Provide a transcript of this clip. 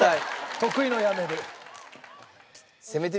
得意の「辞める」。